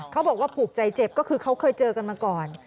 เขาบอกว่าผูกใจเจ็บก็คือเขาเคยเจอกันมาก่อน